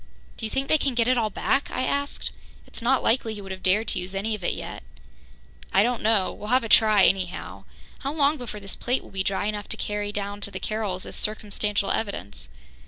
"Do you think they can get it all back?" I asked. "It's not likely he would have dared to use any of it yet." "I don't know. We'll have a try, anyhow. How long before this plate will be dry enough to carry down to the Carrolls as circumstantial evidence?"